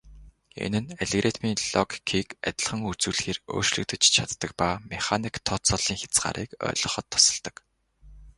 Энэ нь алгоритмын логикийг адилхан үзүүлэхээр өөрчлөгдөж чаддаг ба механик тооцооллын хязгаарыг ойлгоход тусалдаг.